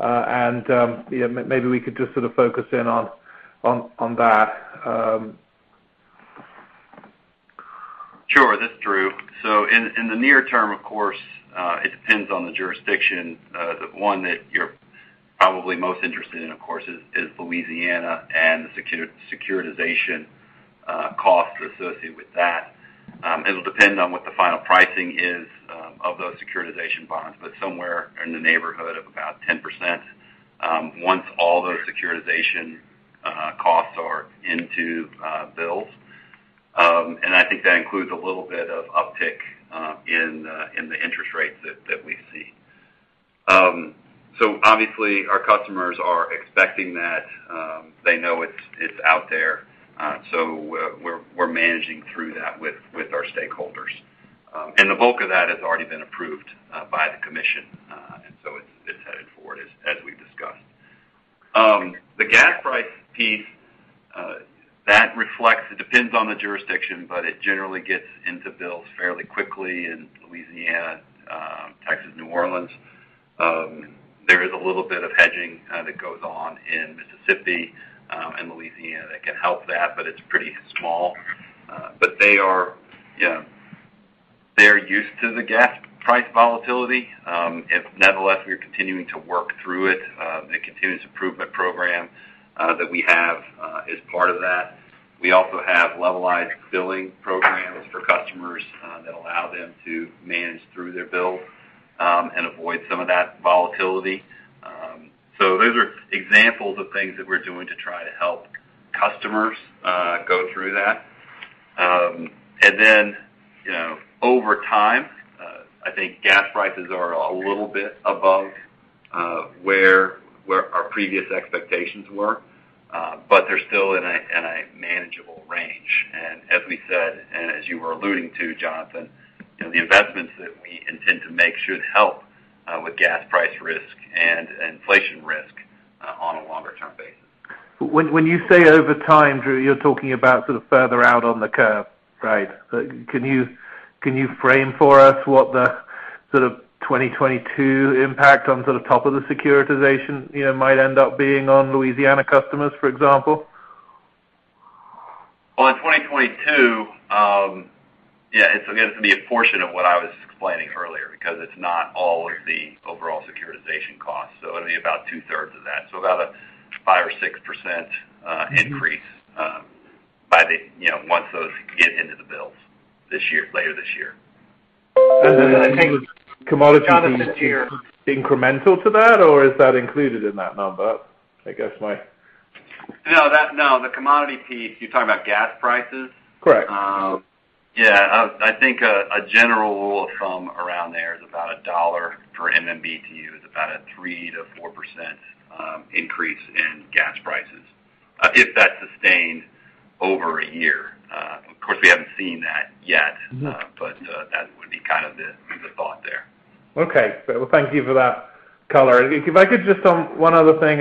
You know, maybe we could just sort of focus in on that. Sure. This is Drew. In the near term, of course, it depends on the jurisdiction. The one that you're probably most interested in, of course, is Louisiana and the securitization cost associated with that. It'll depend on what the final pricing is of those securitization bonds, but somewhere in the neighborhood of about 10%, once all those securitization costs are into bills. I think that includes a little bit of uptick in the interest rates that we see. Obviously, our customers are expecting that, they know it's out there. We're managing through that with our stakeholders. The bulk of that has already been approved by the commission. It's headed forward as we've discussed. The gas price piece, it depends on the jurisdiction, but it generally gets into bills fairly quickly in Louisiana, Texas, New Orleans. There is a little bit of hedging that goes on in Mississippi and Louisiana that can help that, but it's pretty small. They are, you know, used to the gas price volatility. Nevertheless, we are continuing to work through it. The continuous improvement program that we have is part of that. We also have levelized billing programs for customers that allow them to manage through their bill and avoid some of that volatility. Those are examples of things that we're doing to try to help customers go through that. You know, over time, I think gas prices are a little bit above where our previous expectations were. They're still in a manageable range. As we said, and as you were alluding to, Jonathan, you know, the investments that we intend to make should help with gas price risk and inflation risk on a longer-term basis. When you say over time, Drew, you're talking about sort of further out on the curve, right? Right. Can you frame for us what the sort of 2022 impact on sort of top of the securitization, you know, might end up being on Louisiana customers, for example? Well, in 2022, yeah, it's going to be a portion of what I was explaining earlier because it's not all of the overall securitization costs. It'll be about two-thirds of that. About a 5% or 6% increase, by the, you know, once those get into the bills this year, later this year. I think. Jonathan, it's your- incremental to that or is that included in that number? I guess my No, the commodity piece, you're talking about gas prices? Correct. Yeah. I think a general rule of thumb around there is about $1 per MMBtu is about a 3%-4% increase in gas prices, if that sustained over a year. Of course, we haven't seen that yet. Mm-hmm. That would be kind of the thought there. Okay. Well, thank you for that color. If I could just one other thing.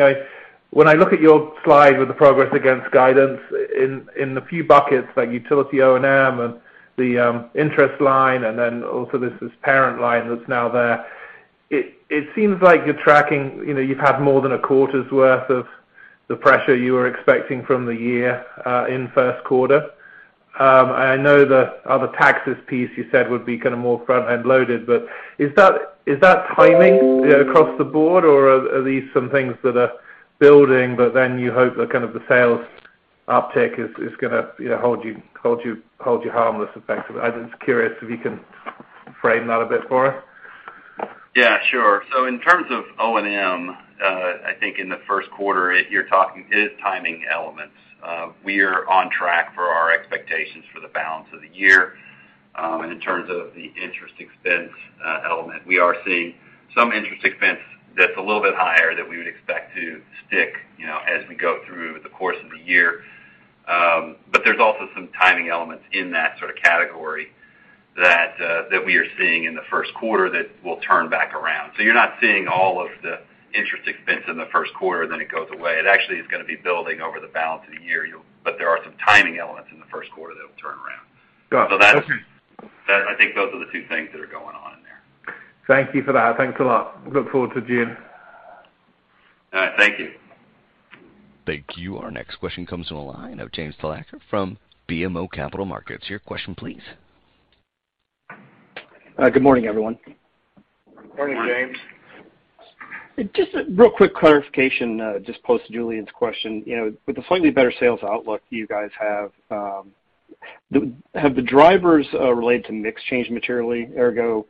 When I look at your slide with the progress against guidance in the few buckets like utility O&M and the interest line, and then also this parent line that's now there. It seems like you're tracking, you know, you've had more than a quarter's worth of the pressure you were expecting from the year in first quarter. I know the other taxes piece you said would be kind of more front-end loaded, but is that timing, you know, across the board or are these some things that are building, but then you hope that kind of the sales uptick is gonna, you know, hold you harmless effectively? I'm just curious if you can frame that a bit for us. Yeah, sure. In terms of O&M, I think in the first quarter, it is timing elements. We are on track for our expectations for the balance of the year. In terms of the interest expense element, we are seeing some interest expense that's a little bit higher than we would expect to stick, you know, as we go through the course of the year. There's also some timing elements in that sort of category that we are seeing in the first quarter that will turn back around. You're not seeing all of the interest expense in the first quarter, then it goes away. It actually is going to be building over the balance of the year. There are some timing elements in the first quarter that will turn around. Got it. Okay. That, I think, those are the two things that are going on in there. Thank you for that. Thanks a lot. Look forward to June. All right. Thank you. Thank you. Our next question comes from the line of James Thalacker from BMO Capital Markets. Your question please. Good morning, everyone. Morning, James. Just a real quick clarification, just post Julien's question. You know, with the slightly better sales outlook you guys have, Have the drivers related to mix changed materially, ergo,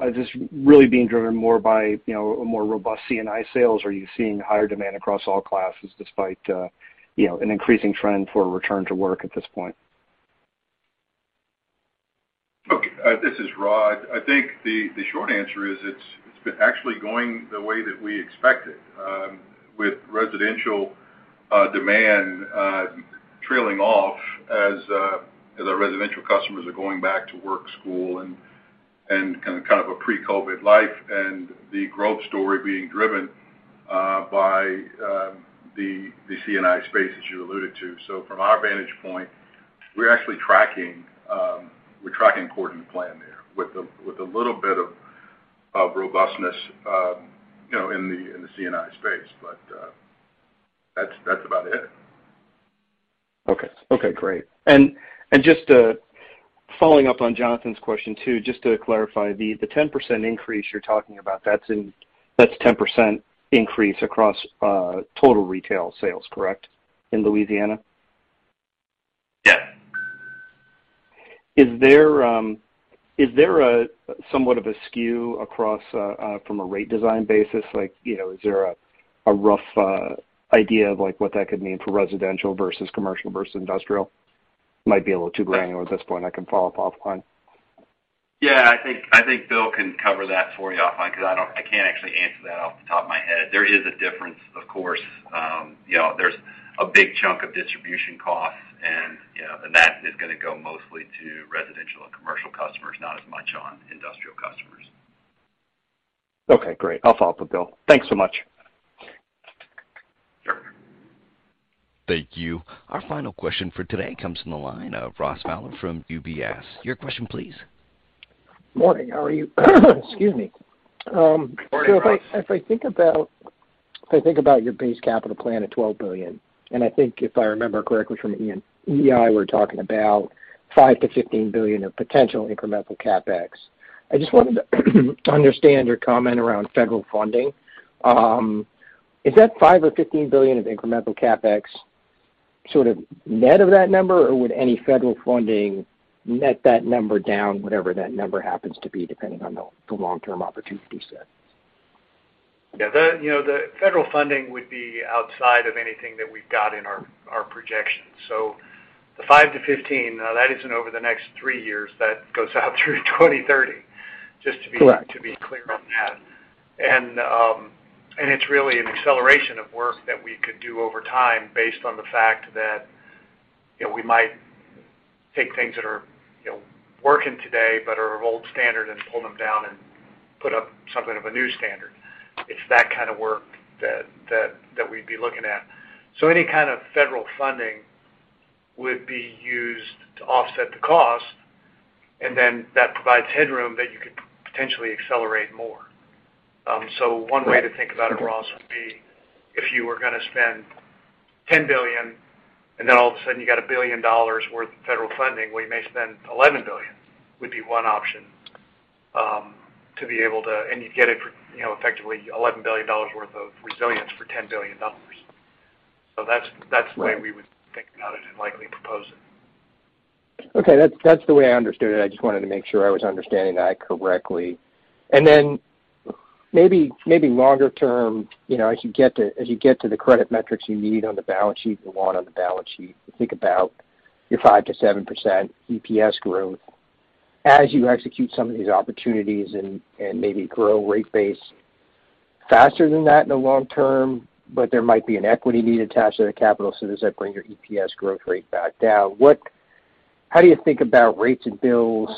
is this really being driven more by, you know, a more robust C&I sales? Are you seeing higher demand across all classes despite, you know, an increasing trend for return to work at this point? Okay. This is Rod. I think the short answer is it's been actually going the way that we expected, with residential demand trailing off as our residential customers are going back to work, school and kind of a pre-COVID life, and the growth story being driven by the C&I space as you alluded to. From our vantage point, we're actually tracking according to plan there with a little bit of robustness, you know, in the C&I space. But that's about it. Okay. Okay, great. Just following up on Jonathan's question too, just to clarify, the 10% increase you're talking about, that's 10% increase across total retail sales, correct, in Louisiana? Yeah. Is there a somewhat of a skew across from a rate design basis? Like, you know, is there a rough idea of like what that could mean for residential versus commercial versus industrial? Might be a little too granular at this point. I can follow up offline. Yeah. I think Bill can cover that for you offline because I can't actually answer that off the top of my head. There is a difference, of course. You know, there's a big chunk of distribution costs and, you know, and that is gonna go mostly to residential and commercial customers, not as much on industrial customers. Okay, great. I'll follow up with Bill. Thanks so much. Sure. Thank you. Our final question for today comes from the line of Ross Fowler from UBS. Your question please. Morning. How are you? Excuse me. Morning, Ross. If I think about your base capital plan of $12 billion, and I think if I remember correctly from EI, we're talking about $5 billion-$15 billion of potential incremental CapEx. I just wanted to understand your comment around federal funding. Is that $5 billion or $15 billion of incremental CapEx sort of net of that number, or would any federal funding net that number down, whatever that number happens to be, depending on the long-term opportunity set? Yeah. The, you know, the federal funding would be outside of anything that we've got in our projections. The $5-$15 isn't over the next three years, that goes out through 2030, just to be. Correct. To be clear on that. It's really an acceleration of work that we could do over time based on the fact that, you know, we might take things that are, you know, working today but are old standard and pull them down and put up something of a new standard. It's that kind of work that we'd be looking at. Any kind of federal funding would be used to offset the cost, and then that provides headroom that you could potentially accelerate more. One way to think about it, Ross, would be if you were gonna spend $10 billion and then all of a sudden you got $1 billion worth of federal funding. Well, you may spend $11 billion, would be one option, to be able to and you'd get it for, you know, effectively $11 billion worth of resilience for $10 billion. That's the way we would think about it and likely propose it. Okay. That's the way I understood it. I just wanted to make sure I was understanding that correctly. Then maybe longer term, you know, as you get to the credit metrics you need on the balance sheet and want on the balance sheet, you think about your 5%-7% EPS growth as you execute some of these opportunities and maybe grow rate base faster than that in the long term. There might be an equity need attached to the capital. Does that bring your EPS growth rate back down? What, how do you think about rates and bills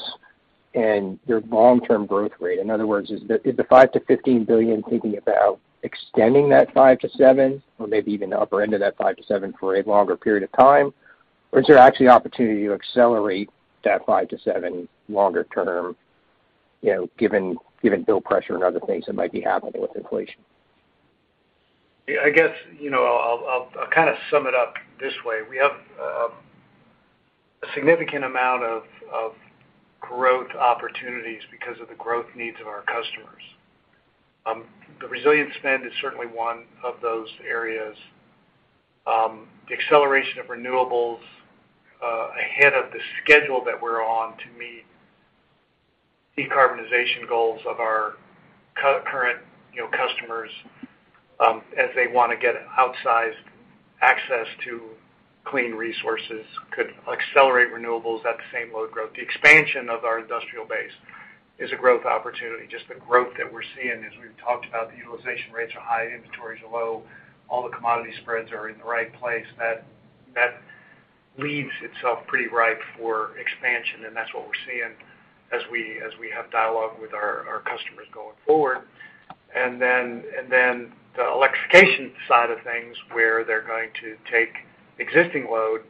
and your long-term growth rate? In other words, is the $5 billion-$15 billion thinking about extending that 5%-7% or maybe even the upper end of that 5%-7% for a longer period of time? Is there actually opportunity to accelerate that 5-7 longer term, you know, given bill pressure and other things that might be happening with inflation? Yeah. I guess, you know, I'll kind of sum it up this way. We have a significant amount of growth opportunities because of the growth needs of our customers. The resilience spend is certainly one of those areas. The acceleration of renewables ahead of the schedule that we're on to meet decarbonization goals of our current, you know, customers, as they wanna get outsized access to clean resources could accelerate renewables at the same load growth. The expansion of our industrial base is a growth opportunity. Just the growth that we're seeing, as we've talked about, the utilization rates are high, inventories are low, all the commodity spreads are in the right place. That lends itself pretty ripe for expansion, and that's what we're seeing as we have dialogue with our customers going forward. The electrification side of things where they're going to take existing load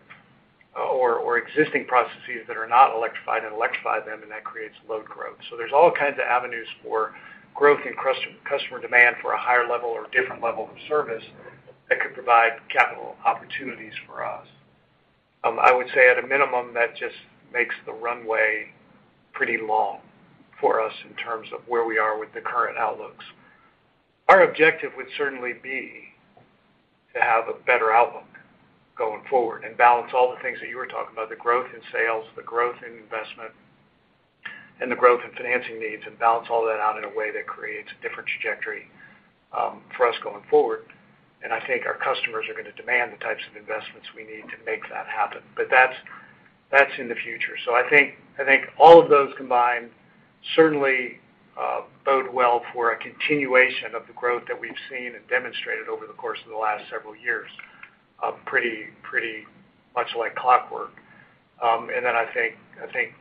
or existing processes that are not electrified and electrify them, and that creates load growth. There's all kinds of avenues for growth in customer demand for a higher level or different level of service that could provide capital opportunities for us. I would say at a minimum, that just makes the runway pretty long for us in terms of where we are with the current outlooks. Our objective would certainly be to have a better outlook going forward and balance all the things that you were talking about, the growth in sales, the growth in investment, and the growth in financing needs, and balance all that out in a way that creates a different trajectory, for us going forward. I think our customers are gonna demand the types of investments we need to make that happen. That's in the future. I think all of those combined certainly bode well for a continuation of the growth that we've seen and demonstrated over the course of the last several years, pretty much like clockwork. I think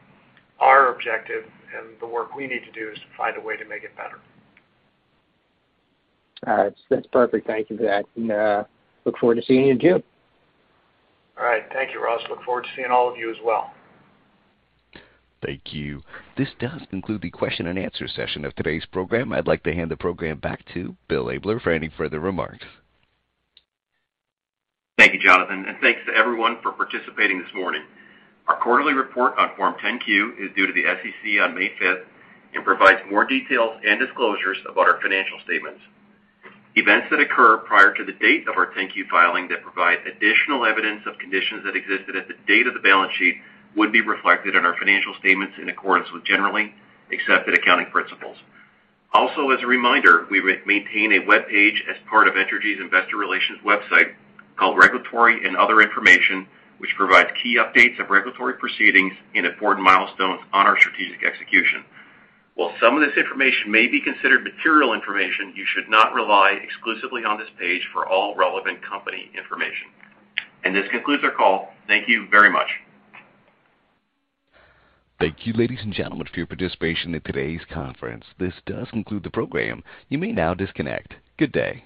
our objective and the work we need to do is to find a way to make it better. All right. That's perfect. Thank you for that. Look forward to seeing you in June. All right. Thank you, Ross. Look forward to seeing all of you as well. Thank you. This does conclude the question and answer session of today's program. I'd like to hand the program back to Bill Abler for any further remarks. Thank you, Jonathan, and thanks to everyone for participating this morning. Our quarterly report on Form 10-Q is due to the SEC on May fifth and provides more details and disclosures about our financial statements. Events that occur prior to the date of our 10-Q filing that provide additional evidence of conditions that existed at the date of the balance sheet would be reflected in our financial statements in accordance with generally accepted accounting principles. Also, as a reminder, we maintain a webpage as part of Entergy's investor relations website called Regulatory and Other Information, which provides key updates of regulatory proceedings and important milestones on our strategic execution. While some of this information may be considered material information, you should not rely exclusively on this page for all relevant company information. This concludes our call. Thank you very much. Thank you, ladies and gentlemen, for your participation in today's conference. This does conclude the program. You may now disconnect. Good day.